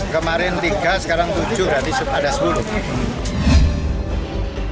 kemarin tiga sekarang tujuh berarti ada sepuluh